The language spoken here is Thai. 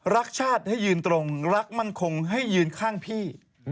รักชาติให้ยืนตรงรักมั่นคงให้ยืนข้างพี่